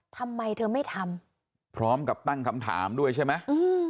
ทำไมเธอไม่ทำพร้อมกับตั้งคำถามด้วยใช่ไหมอืม